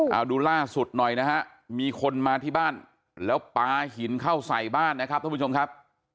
เอาดูล่าสุดหน่อยนะฮะมีคนมาที่บ้านแล้วปลาหินเข้าใส่บ้านนะครับท่านผู้ชมครับ